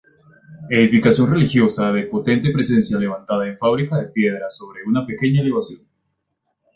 Edificación religiosa de potente presencia levantada en fábrica de piedra sobre una pequeña elevación.